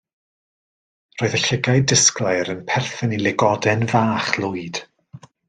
Roedd y llygaid disglair yn perthyn i lygoden fach lwyd.